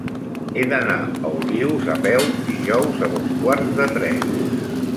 He d'anar a Olius a peu dijous a dos quarts de tres.